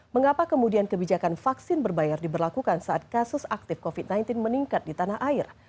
mengapa kemudian kebijakan vaksin berbayar diberlakukan saat kasus aktif covid sembilan belas meningkat di tanah air